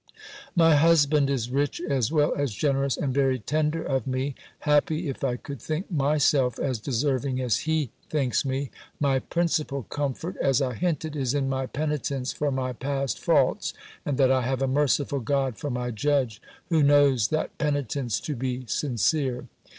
"My husband is rich as well as generous, and very tender of me Happy, if I could think myself as deserving as he thinks me! My principal comfort, as I hinted, is in my penitence for my past faults; and that I have a merciful God for my judge, who knows that penitence to be sincere!